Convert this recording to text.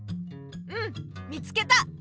うん見つけた！